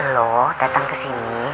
lo datang kesini